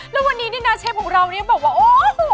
แล้ววันนี้นี่นะเชฟของเรานี่บอกว่าโอ้โห